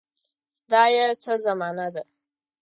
خدایه څه زمانه ده.